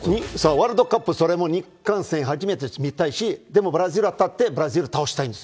ワールドカップ、それも日韓戦初めて見たいし、でもブラジル当たって、ブラジル倒したいんです。